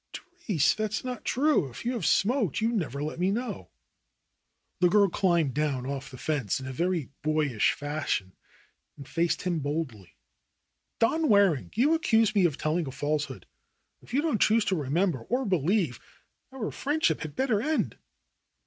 "Therese, that's not true, or if you have smoked you never let me know." 8 THE ROSE COLORED WORLD The girl climbed down off the fence in a very boyish fashion and faced him boldly. ^^Don Waring, you accuse me of telling a falsehood. If you don't choose to remember or believe, our friend ship had better end."